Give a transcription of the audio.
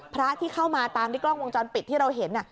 พระที่เข้ามาตามที่กล้องวงจรปิดที่เราเห็น